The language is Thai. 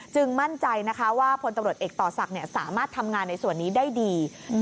มั่นใจนะคะว่าพลตำรวจเอกต่อศักดิ์สามารถทำงานในส่วนนี้ได้ดี